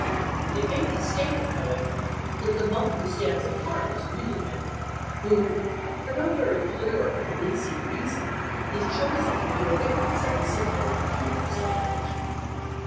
It may be stated, however, that the monk who stands apart is really Edgar, who, for no very clear or convincing reason, has chosen to be a witness of his supposed funeral celebration.